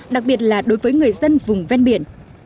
đặc biệt là đối với người dân vùng ven biển